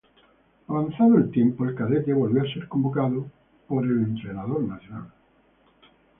Avanzado el tiempo, el cadete volvió a ser convocado por el entrenador nacional.